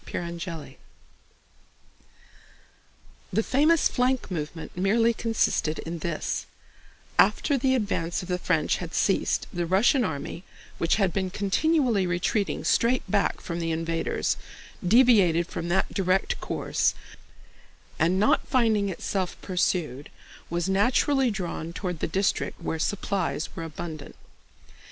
CHAPTER II The famous flank movement merely consisted in this: after the advance of the French had ceased, the Russian army, which had been continually retreating straight back from the invaders, deviated from that direct course and, not finding itself pursued, was naturally drawn toward the district where supplies were abundant.